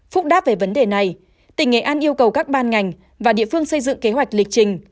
phúc đáp về vấn đề này tỉnh nghệ an yêu cầu các ban ngành và địa phương xây dựng kế hoạch lịch trình